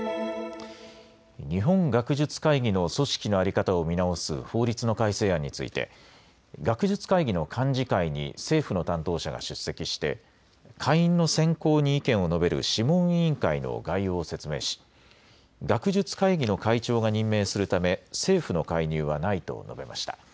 日本学術会議の組織の在り方を見直す法律の改正案について、学術会議の幹事会に政府の担当者が出席して、会員の選考に意見を述べる諮問委員会の概要を説明し、学術会議の会長が任命するため政府の介入はないと述べました。